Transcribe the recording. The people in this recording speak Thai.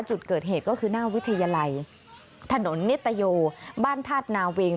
จุดเกิดเหตุก็คือหน้าวิทยาลัยถนนนิตโยบ้านธาตุนาเวง